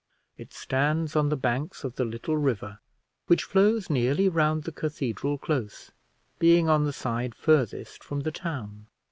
It stands on the banks of the little river, which flows nearly round the cathedral close, being on the side furthest from the town.